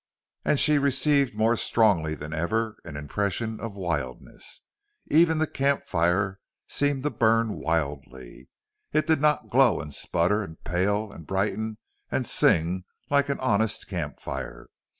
And she received more strongly than ever an impression of wildness. Even the camp fire seemed to burn wildly; it did not glow and sputter and pale and brighten and sing like an honest camp fire.